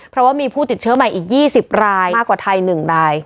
เพราะว่ามีผู้ติดเชื้อใหม่อีก๒๐รายมากกว่าไทย๑ราย